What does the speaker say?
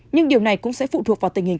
nhưng điều này cũng sẽ phụ thuộc vào tình hình